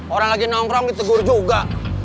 orang lagi nongkrong ditegur juga